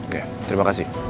oke terima kasih